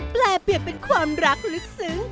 แปลเปรียบเป็นความรักลึกซึ้ง